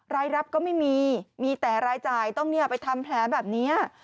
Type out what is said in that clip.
รายรับก็ไม่มีมีแต่รายจ่ายต้องไปทำแผลแบบนี้